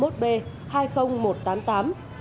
trên xe in tên hợp tác xã